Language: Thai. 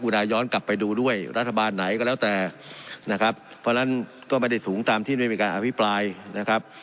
นายย้อนกลับไปดูด้วยรัฐบาลไหนก็แล้วแต่นะครับเพราะฉะนั้นก็ไม่ได้สูงตามที่ได้มีการอภิปรายนะครับ